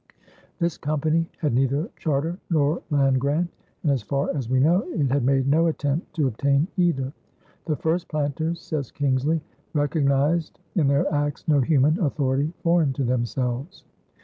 This company had neither charter nor land grant, and, as far as we know, it had made no attempt to obtain either. "The first planters," says Kingsley, "recognized in their acts no human authority foreign to themselves."